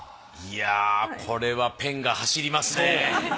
いやこれはペンが走りますね。